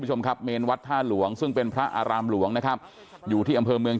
คุณผู้ชมครับเมนวัดท่าหลวงซึ่งเป็นพระอารามหลวงนะครับอยู่ที่อำเภอเมือง